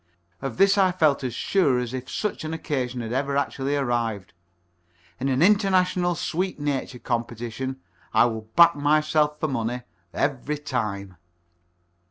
Of this I feel as sure as if such an occasion had ever actually arrived. In an International Sweet nature Competition I would back myself for money every time.